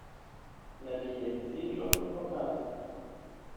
La geedziĝo okazis.